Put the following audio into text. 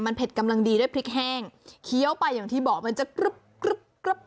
มันเผ็ดกำลังดีด้วยพริกแห้งเคี้ยวไปอย่างที่บอกมันจะกรึ๊บกรึ๊บกรึ๊บ